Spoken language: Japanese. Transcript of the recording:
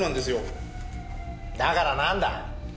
だからなんだ。